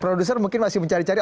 produser mungkin masih mencari cari